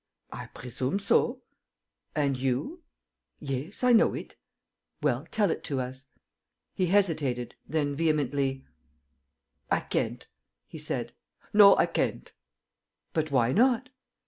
"I presume so." "And you?" "Yes, I know it." "Well, tell it to us." He hesitated; then, vehemently: "I can't," he said. "No, I can't." "But why not?"